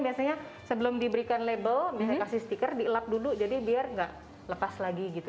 biasanya sebelum diberikan label misalnya kasih stiker dielap dulu jadi biar nggak lepas lagi gitu